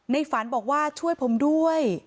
ฝันบอกว่าช่วยผมด้วย